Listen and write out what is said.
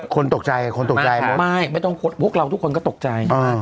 คนตกใจไหมคนตกใจหมดไม่ไม่ต้องพวกเราทุกคนก็ตกใจ